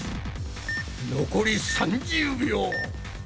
残り３０秒！